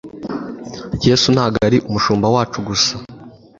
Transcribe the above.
Yesu ntabwo ari umushumba wacu gusa,